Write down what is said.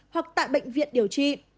hoặc tại bệnh viện điều trị